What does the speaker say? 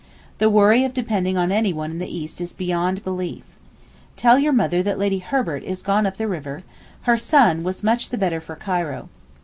The worry of depending on anyone in the East is beyond belief. Tell your mother that Lady Herbert is gone up the river; her son was much the better for Cairo.